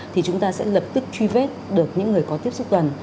thì chúng ta sẽ lập tức truy vết được những người có tiếp xúc gần